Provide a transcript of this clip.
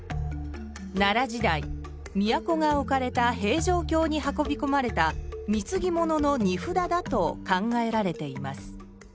奈良時代都が置かれた平城京に運びこまれたみつぎ物の荷札だと考えられています。